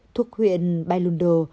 thuốc huyện baylundo